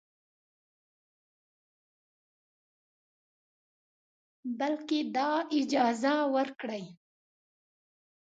بلکې دا اجازه ورکړئ